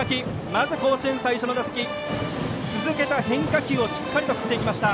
まず甲子園での最初の打席続けた変化球をしっかりと振っていきました。